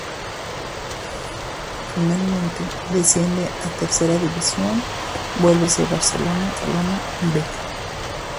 Finalmente desciende a Tercera División vuelve al F. C. Barcelona "B".